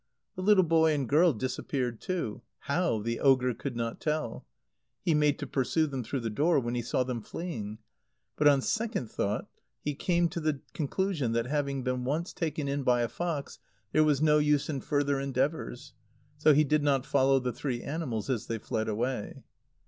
The little boy and girl disappeared too; how, the ogre could not tell. He made to pursue them through the door, when he saw them fleeing. But on second thoughts he came to the conclusion that, having once been taken in by a fox, there was no use in further endeavours. So he did not follow the three animals as they fled away.